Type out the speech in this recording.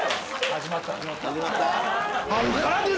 始まった始まった。